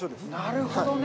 なるほどね。